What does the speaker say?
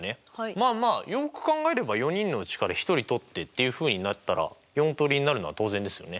まあまあよく考えれば４人のうちから１人とってっていうふうになったら４通りになるのは当然ですよね。